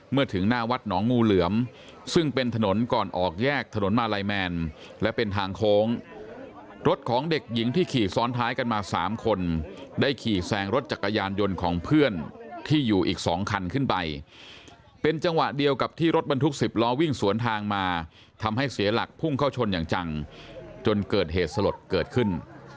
เป็นทางโค้งรถของเด็กหญิงที่ขี่ซ้อนท้ายกันมา๓คนได้ขี่แสงรถจักรยานยนต์ของเพื่อนที่อยู่อีก๒คันขึ้นไปเป็นจังหวะเดียวกับที่รถบรรทุก๑๐ล้อวิ่งสวนทางมาทำให้เสียหลักพุ่งเข้าชนอย่างจังจนเกิดเหตุสลดเกิดขึ้น